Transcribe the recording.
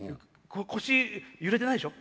腰揺れてないでしょ。